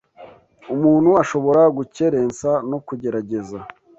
Umuntu ashobora gukerensa no kugerageza